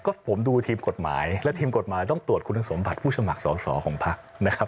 ก็ผมดูทีมกฎหมายและทีมกฎหมายต้องตรวจคุณสมบัติผู้สมัครสอสอของพักนะครับ